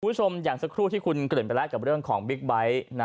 คุณผู้ชมอย่างสักครู่ที่คุณเกริ่นไปแล้วกับเรื่องของบิ๊กไบท์